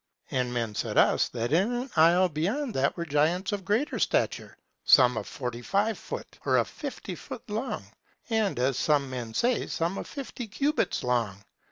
And men said us, that in an isle beyond that were giants of greater stature, some of forty five foot, or of fifty foot long, and, as some men say, some of fifty cubits long.